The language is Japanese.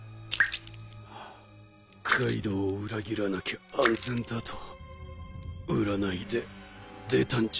カイドウを裏切らなきゃ安全だと占いで出たんじゃないのか。